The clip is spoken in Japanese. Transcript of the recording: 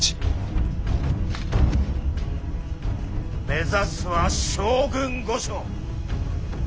目指すは将軍御所！